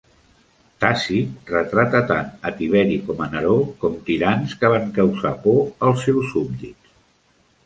Tàcit retrata tant a Tiberi com a Neró com tirans que van causar por als seus súbdits.